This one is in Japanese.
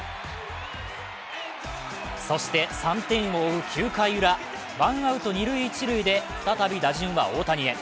そして３点を追う９回ウラ、ワンアウト二塁・一塁で再び打順は大谷へ。